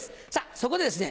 そこでですね